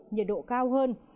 nhiệt độ cao hơn